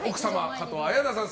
加藤綾菜さん